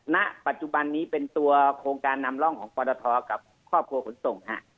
ณปัจจุบันนี้เป็นโครงการนำร่องของพวัตถัอกับครอบครัวขุนส่ง